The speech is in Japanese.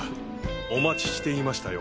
お待ちしていましたよ。